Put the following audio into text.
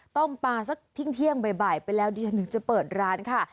ต้มปลาสักทิ้งเที่ยงบ่ายไปแล้วดิฉันถึงจะเปิดร้านค่ะ